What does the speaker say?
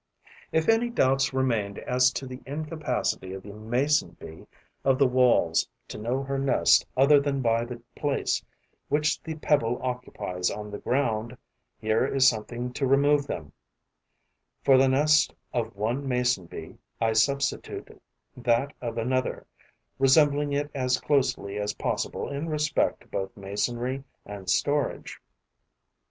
If any doubts remained as to the incapacity of the Mason bee of the Walls to know her nest other than by the place which the pebble occupies on the ground, here is something to remove them: for the nest of one Mason bee, I substitute that of another, resembling it as closely as possible in respect to both masonry and storage.